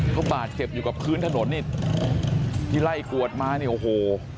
เขาบาดเจ็บอยู่กับพื้นถนนนี่ที่ไล่กวดมาเนี่ยโอ้โห